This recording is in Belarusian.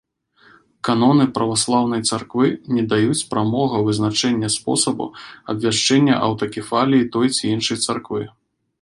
Каноны праваслаўнай царквы не даюць прамога вызначэння спосабу абвяшчэння аўтакефаліі той ці іншай царквы.